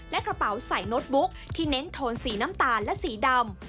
และกระเป๋าใส่โน้ตบุ๊กที่เน้นโทนสีน้ำตาลและสีดำ